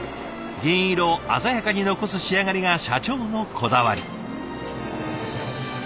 銀色を鮮やかに残す仕上がりが社長のこだわり。